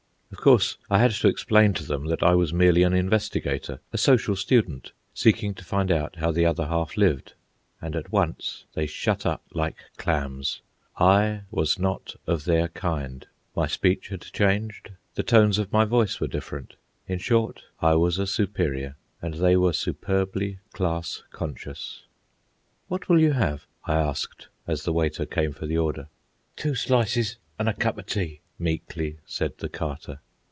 Of course I had to explain to them that I was merely an investigator, a social student, seeking to find out how the other half lived. And at once they shut up like clams. I was not of their kind; my speech had changed, the tones of my voice were different, in short, I was a superior, and they were superbly class conscious. "What will you have?" I asked, as the waiter came for the order. "Two slices an' a cup of tea," meekly said the Carter.